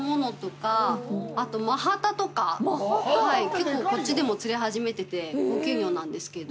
結構こっちでも釣れ始めてて、高級魚なんですけど。